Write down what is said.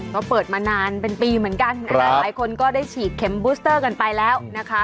ก็เปิดมานานเป็นปีเหมือนกันหลายคนก็ได้ฉีดเข็มบูสเตอร์กันไปแล้วนะคะ